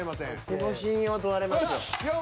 ここ信用問われますよ。